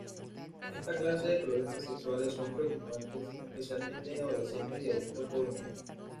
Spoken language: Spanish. Esta clase de problemas sexuales son preocupantes especialmente en adolescentes y adultos jóvenes.